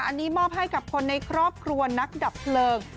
อันนี้มอบให้กับคนในครอบครัวนักดับเพลิง